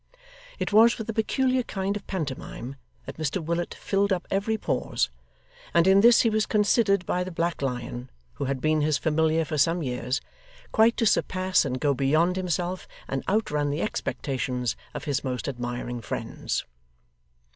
It was with a peculiar kind of pantomime that Mr Willet filled up every pause; and in this he was considered by the Black Lion, who had been his familiar for some years, quite to surpass and go beyond himself, and outrun the expectations of his most admiring friends.